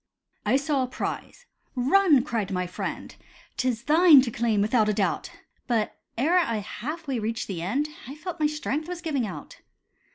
I saw a prize. "Run," cried my friend; "'Tis thine to claim without a doubt." But ere I half way reached the end, I felt my strength was giving out.